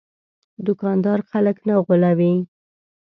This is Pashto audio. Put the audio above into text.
دوکاندار خلک نه غولوي.